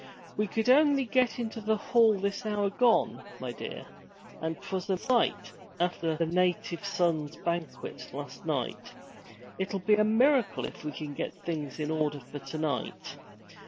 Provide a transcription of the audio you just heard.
'We could only get into the hall this hour gone, my dear, and 't was a sight, after the Native Sons' Banquet last night. It'll be a miracle if we get things in order for to night.